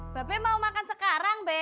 babi mau makan sekarang beeeh